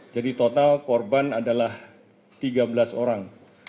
jadi total korban adalah tiga belas orang